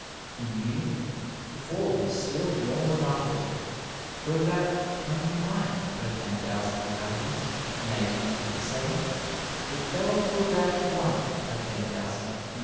In Munich the fall was still more remarkable ; from above twenty nine per ten thou sand inhabitants in 1857 it fell to about one per ten thou sand in 1887.